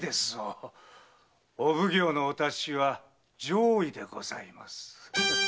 お奉行のお達しは上意でございます。